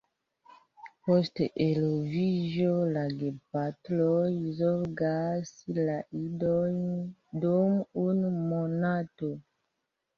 Post eloviĝo la gepatroj zorgas la idojn dum unu monato.